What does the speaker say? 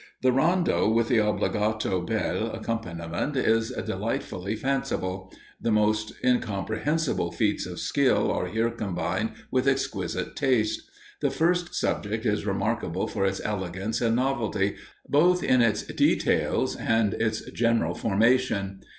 The rondo with the obbligato bell accompaniment is delightfully fanciful; the most incomprehensible feats of skill are here combined with exquisite taste. The first subject is remarkable for its elegance and novelty, both in its details and its general formation.